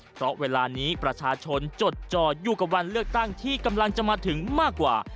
เพราะเวลานี้ประชาชนจดจออยู่กับวันเลือกตั้งที่กำลังจะมาถึงมากกว่า